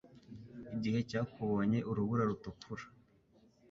igihe cyakubonye urubura rutukura